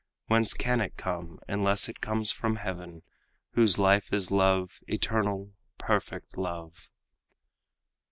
Whence can it come, unless it comes from heaven, Whose life is love eternal, perfect love!